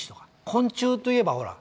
昆虫といえばほら。